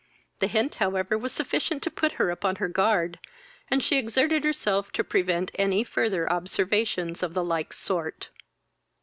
The hint however was sufficient to put her upon her guard, and she exerted herself to prevent any further observations of the like sort.